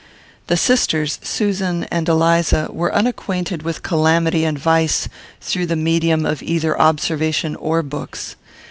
The sisters, Susan and Eliza, were unacquainted with calamity and vice through the medium of either observation or books.